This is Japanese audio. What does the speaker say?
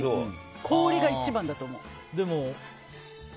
氷が一番だと思う。